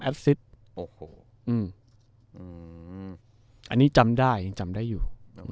อัปซึดโอ้โหอืมอืมอันนี้จำได้จำได้อยู่